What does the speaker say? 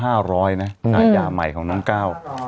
ขายยาใหม่ของน้องก้าว